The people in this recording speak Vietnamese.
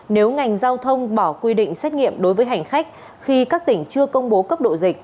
nếu ngành giao thông bỏ quy định xét nghiệm đối với hành khách khi các tỉnh chưa công bố cấp độ dịch